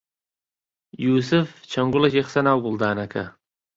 یووسف چەند گوڵێکی خستە ناو گوڵدانەکە.